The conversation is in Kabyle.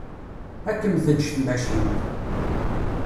Ad kem-teǧǧ tmacint.